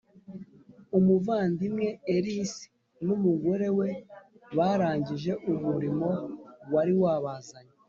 Umuvandimwe ellis n umugore we barangije umurimo wari wabazanye